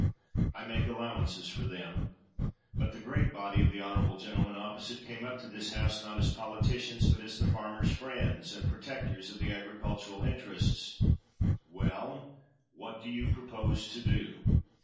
I make allowances for them ; but the great body of the honorable gentle men opposite came up to this House, not as politicians, but as the farmers' fiiends, and protectors of the agricultural interests. Well, what do you propose to do?